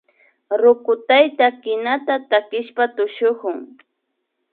Ruku tayta kinata takishpa tushukun